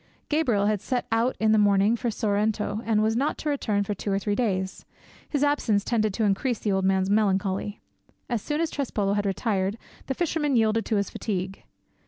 Gabriel had set out in the morning for Sorrento and was not to return for two or three days; his absence tended to increase the old man's melancholy. As soon as Trespolo had retired, the fisherman yielded to his fatigue.